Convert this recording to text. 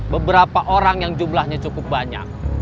beberapa orang yang jumlahnya cukup banyak